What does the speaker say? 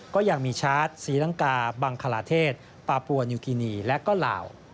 ก็ยังมีชาร์จศรีลังกาบังคลาเทศปาปวนยูกินีและก็ลาว